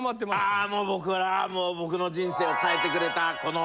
あもう僕は僕の人生を変えてくれたこの。